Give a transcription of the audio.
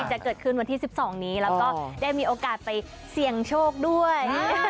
จะเกิดขึ้นวันที่๑๒นี้แล้วก็ได้มีโอกาสไปเสี่ยงโชคด้วย